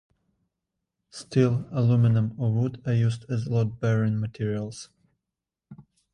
Steel, aluminum or wood are used as load-bearing materials.